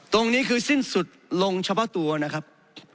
ตรงนี้คือสิ้นสุดลงเฉพาะตัวนะครับ